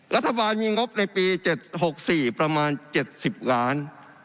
รัฐบาลมีงบในปี๗๖๔ประมาณ๗๐ล้าน